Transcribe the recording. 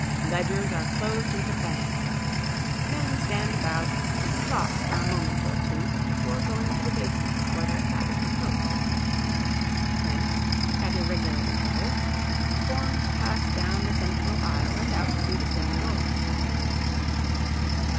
Ledgers are closed with a bang. Men stand about and talk for a moment or two before going to the basement for their hats and coats. Then, at irregular intervals, forms pass down the central aisle and out through the swing doors.